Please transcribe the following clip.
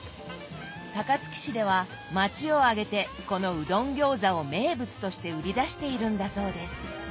高槻市では町を挙げてこのうどんギョーザを名物として売り出しているんだそうです。